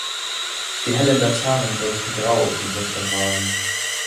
Die hellen Laternen wirkten grau dem dunklen Rasen.